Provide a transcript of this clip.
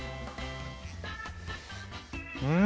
うん！